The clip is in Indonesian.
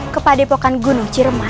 kepada epokan gunung ciremai